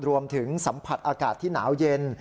รวมถึงสัมผัสอากาศที่หนาวเย็น